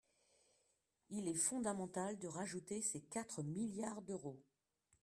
Il est fondamental de rajouter ces quatre milliards d’euros.